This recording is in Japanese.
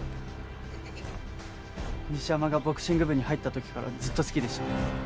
西山がボクシング部に入った時からずっと好きでした。